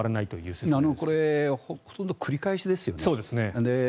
これ、ほとんど繰り返しですよね。